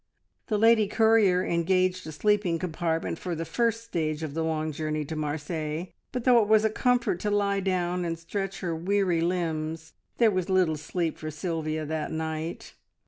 The lady courier engaged a sleeping compartment for the first stage of the long journey to Marseilles, but though it was a comfort to lie down and stretch her weary limbs, there was little sleep for Sylvia that night.